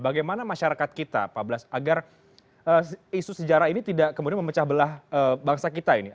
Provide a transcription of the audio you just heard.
bagaimana masyarakat kita pak blas agar isu sejarah ini tidak kemudian memecah belah bangsa kita ini